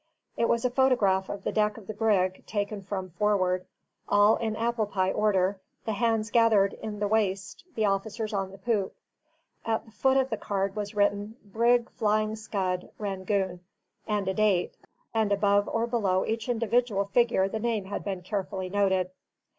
It was a photograph of the deck of the brig, taken from forward: all in apple pie order; the hands gathered in the waist, the officers on the poop. At the foot of the card was written "Brig Flying Scud, Rangoon," and a date; and above or below each individual figure the name had been carefully noted.